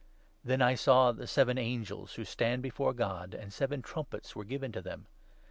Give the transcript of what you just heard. Then I saw the seven angels who stand before God, and 2 seven trumpets were given to them.